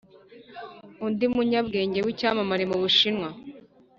undi munyabwenge w’icyamamare mu bushinwa